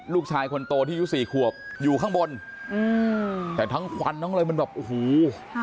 ลูกชายคนโตที่อายุสี่ขวบอยู่ข้างบนแต่ทั้งฟันทั้งเลยมันแบบอูหู